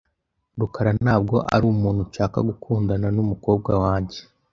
rukara ntabwo arumuntu nshaka gukundana numukobwa wanjye .